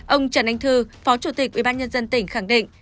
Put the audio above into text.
ông trần anh thư phó chủ tịch ubnd tỉnh khẳng định